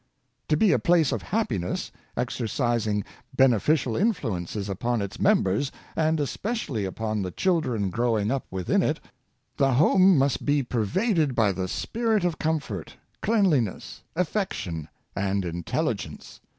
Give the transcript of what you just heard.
To be a place of happiness, exercising beneficial influences upon its members, and especially upon the children growing up within it, the home must be pervaded by the spirit of comfort, cleanliness, affec tion, and intelligence.